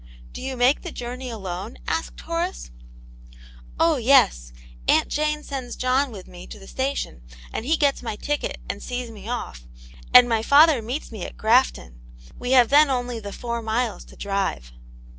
" Do you make the journey alone ?" asked Horace. " Oh, yes ; Aunt Jane sends John with me to the station, and he gets my ticket and sees me off, and my father meets me at Grafton ; we have then only the four miles to drive."